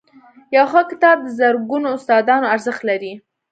• یو ښه کتاب د زرګونو استادانو ارزښت لري.